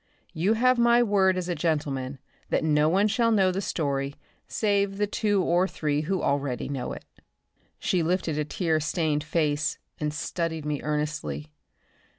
You have my word as a gentleman that no one shall know the story save the two or three who already know it." She lifted her tear stained face and studied me earnestly.